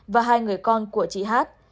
và hai người con của chị hát